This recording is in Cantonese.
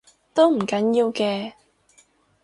都唔緊要嘅